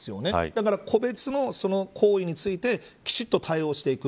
だから個別の行為についてきちんと対応していく。